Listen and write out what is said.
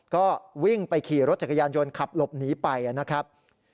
ก็วิ่งไปขี่รถจักรยานยนต์ขับหลบหนีไปนะครับ